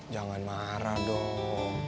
jangan marah dong